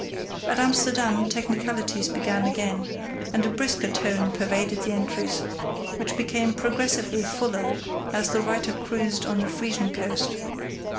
At Amsterdam technicalities began again, and a brisker tone pervaded the entries, which became progressively fuller as the writer cruised on the Frisian coast.